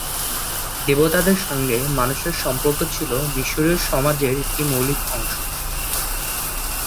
দেবতাদের সঙ্গে মানুষের সম্পর্ক ছিল মিশরীয় সমাজের একটি মৌলিক অংশ।